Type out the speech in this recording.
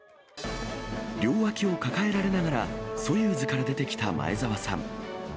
両脇を抱えられながら、ソユーズから出てきた前澤さん。